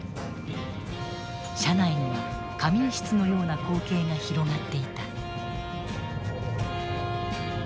車内には仮眠室のような光景が広がっていた。